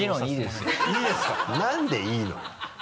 何でいいのよ？